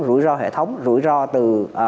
rủi ro hệ thống rủi ro từ